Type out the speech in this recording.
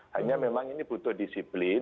hanya memang ini butuh disiplin